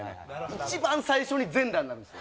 一番最初に全裸になるんですよ。